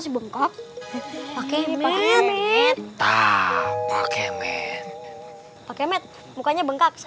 sebentar jangan kemana mana ya